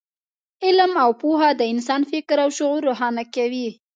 علم او پوهه د انسان فکر او شعور روښانه کوي.